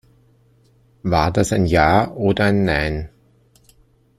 War das ein Ja oder ein Nein?